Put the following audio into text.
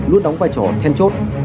luôn đóng vai trò then chốt